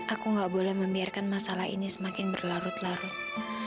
aku nggak boleh membiarkan masalah ini semakin berlarut larut